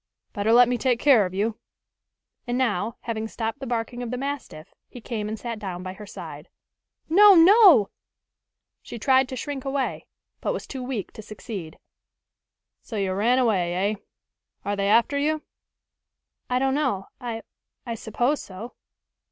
"Better let me take care of you." And now, having stopped the barking of the mastiff, he came and sat down by her side. "No! no!" She tried to shrink away, but was too weak to succeed. "So you ran away, eh? Are they after you?" "I don't know. I I suppose so."